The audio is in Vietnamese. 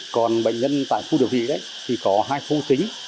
còn bệnh nhân tại khu điều trị thì có hai khu chính